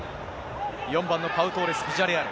４番のパウ・トーレス、ビジャレアル。